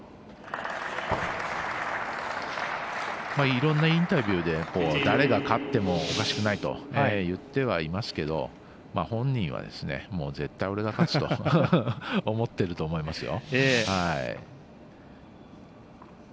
いろんなインタビューで誰が勝ってもおかしくないと言ってはいますけど本人は、絶対、俺が勝つと思っていると思いますよ。